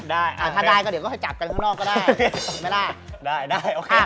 ได้อ่าถ้าได้ก็เดี๋ยวก็ให้จับกันข้างนอกก็ได้จับไม่ได้ได้ได้โอเค